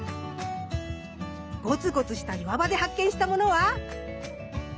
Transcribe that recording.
ゴツゴツした岩場で発見したものは？